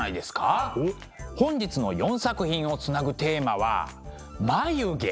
本日の４作品をつなぐテーマは「眉毛」。